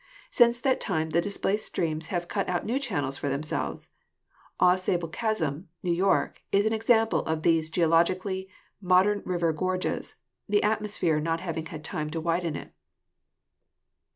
Since that time the displaced streams have cut out new channels for them selves. Au Sable Chasm, New York, is an example of these geologically modern river gorges, the atmosphere not having had time to widen it.